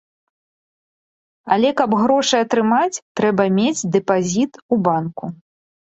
Але каб грошы атрымаць, трэба мець дэпазіт у банку.